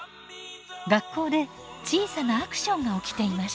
学校で小さなアクションが起きていました。